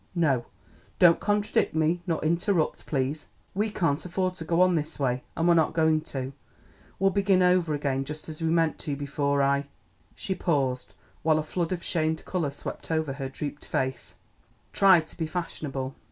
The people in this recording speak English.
No; don't contradict me nor interrupt please! We can't afford to go on this way, and we're not going to. We'll begin over again, just as we meant to before I " she paused while a flood of shamed colour swept over her drooped face " tried to be fashionable.